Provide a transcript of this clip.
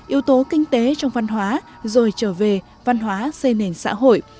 yếu tố kinh tế trong văn hóa rồi trở về văn hóa xây nền xã hội